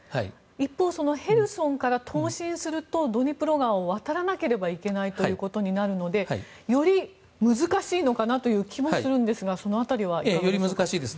一方、ヘルソンから東進するとドニプロ川を渡らなければいけないということになるのでより難しい気もするんですがより難しいです。